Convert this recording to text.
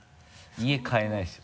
家買えないですよ。